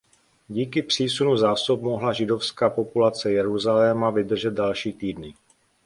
Díky přísunu zásob mohla židovská populace Jeruzaléma vydržet další týdny.